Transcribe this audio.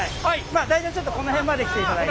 まあ大体ちょっとこの辺まで来ていただいて。